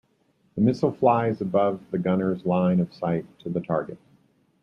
The missile flies above the gunner's line of sight to the target.